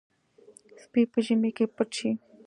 سپي په ژمي کې پټ شي.